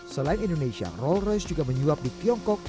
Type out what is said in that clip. selain indonesia rolls royce juga menyuap di tiongkok